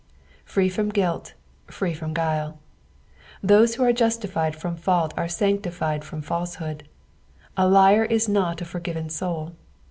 Free from guilt, free from guile. Those who are justified from fault are sancti6ed from fslsehood. A liar is not a forgiven soul.